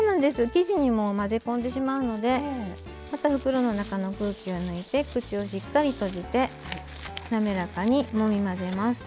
生地に混ぜ込んでしまうのでまた袋の中の空気を抜いて口をしっかり閉じてなめらかにもみ混ぜます。